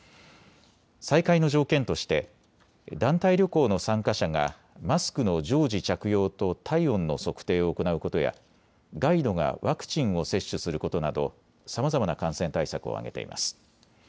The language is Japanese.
再開の条件として団体旅行の参加者がマスクの常時着用と体温の測定を行うことやガイドがワクチンを接種することなどさまざまな感染対策を挙げています。